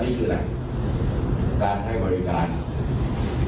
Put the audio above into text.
ผมไม่ได้จับผิดแต่ไม่มีผู้ทัพ